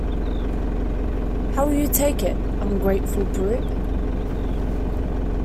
How will you take it, ungrateful brute?